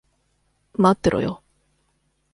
待ってろよ。